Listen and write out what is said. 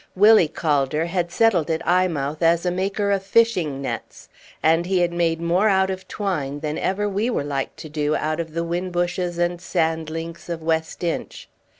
Willie Calder had settled at Eyemouth as a maker of fishing nets, and he had made more out of twine than ever we were like to do out of the whin bushes and sand links of West Inch.